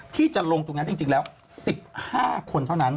ที่จะลงตรงนั้นจริงแล้ว๑๕คนเท่านั้น